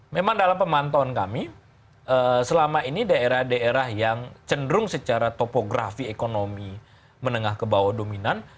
memang dalam pemantauan kami selama ini daerah daerah yang cenderung secara topografi ekonomi menengah ke bawah dominan